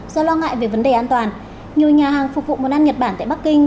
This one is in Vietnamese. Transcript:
do lo ngại về vấn đề an toàn nhiều nhà hàng phục vụ món ăn nhật bản tại bắc kinh